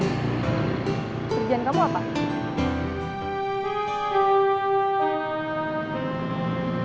kerjaan kamu apa